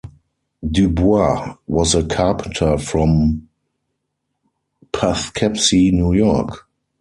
DuBois was a carpenter from Poughkeepsie, New York.